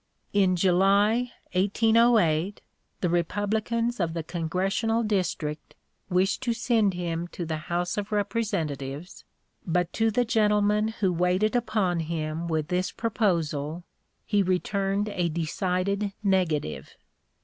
In July, 1808, the Republicans of the Congressional District wished to send him to the House of Representatives, but to the gentleman who waited upon him with this proposal he returned a decided negative.